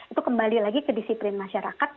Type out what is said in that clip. itu kembali lagi ke disiplin masyarakat